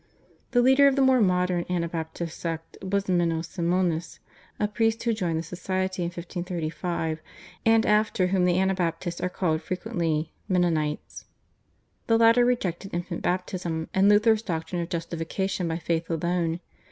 The leader of the more modern Anabaptist sect was Menno Simonis, a priest who joined the Society in 1535, and after whom the Anabaptists are called frequently Mennonites. The latter rejected infant baptism and Luther's doctrine of Justification by faith alone.